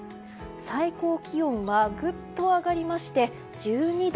最高気温はグッと上がりまして１２度。